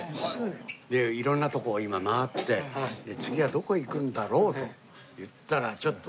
で色んなとこを今回って次はどこへ行くんだろうといったらちょっとまあ